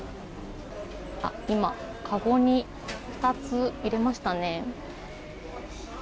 今、かごに２つ入れましたね。